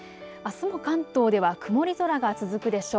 関東では曇り空が続くでしょう。